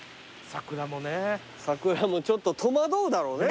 桜もちょっと戸惑うだろうね。